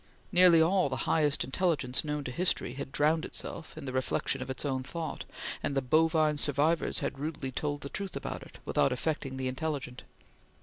Nearly all the highest intelligence known to history had drowned itself in the reflection of its own thought, and the bovine survivors had rudely told the truth about it, without affecting the intelligent.